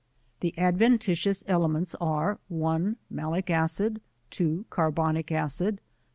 The adventitious elements are : 1. Malic acid. 2. Carbonic acid.